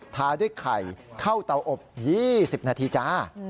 ทาด้วยไข่เข้าเตาอบ๒๐นาทีจ้า